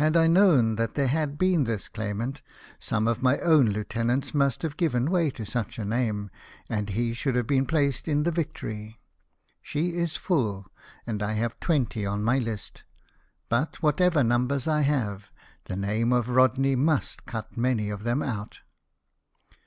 Had I kno^vn that there had been this claimant, some of my own lieutenants must have given way to such a name, and he should have been placed in the Victory. She is full, and I have twenty on my list ; but, whatever numbers I have, the name of Rodney must cut many of them out."